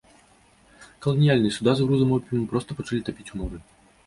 Каланіяльныя суда з грузам опіуму проста пачалі тапіць ў моры.